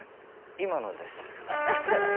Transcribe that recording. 今のです。